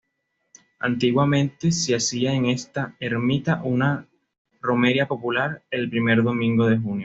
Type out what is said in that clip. Antiguamente se hacía en esta ermita una romería popular el primer domingo de junio.